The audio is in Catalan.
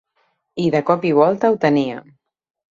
I de cop i volta ho tenia.